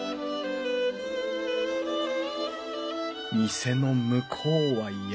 店の向こうは山。